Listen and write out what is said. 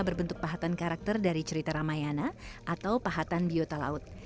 berbentuk pahatan karakter dari cerita ramayana atau pahatan biota laut